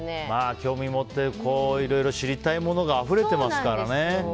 興味を持っていろいろ知りたいものがあふれてますからね。